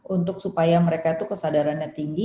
untuk supaya mereka itu kesadarannya tinggi